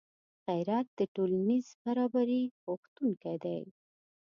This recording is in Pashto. غیرت د ټولنیز برابري غوښتونکی دی